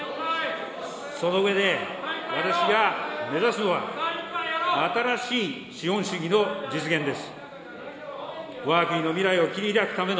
その上で、私が目指すのは、新しい資本主義の実現です。